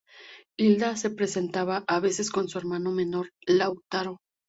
Hilda se presentaba a veces con su hermano menor Lautaro.